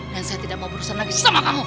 dan saya tidak mau berusaha lagi sama kamu